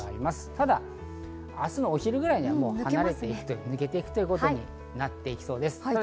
ただ明日のお昼ぐらいには抜けていくということになっていきそうです。